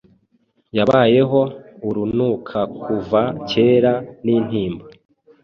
Yabayeho urunukakuva kera nintimba